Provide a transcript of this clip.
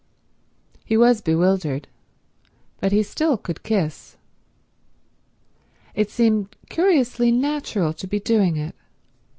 He was bewildered, but he still could kiss. It seemed curiously natural to be doing it.